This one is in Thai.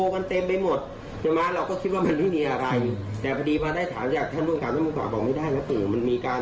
เพราะว่าอยากจะรู้ว่าติดคุก